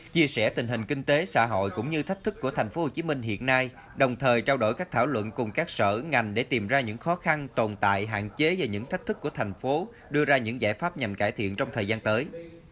chia sẻ tình hình kinh tế xã hội cũng như thách thức của tp hcm hiện nay đồng thời trao đổi các thảo luận cùng các sở ngành để tìm ra những khó khăn tồn tại hạn chế và những thách thức của thành phố đưa ra những giải pháp nhằm cải thiện trong thời gian tới